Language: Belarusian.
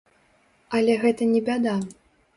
Але гэта не бяда.